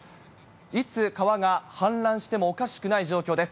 いつ川が氾濫してもおかしくない状況です。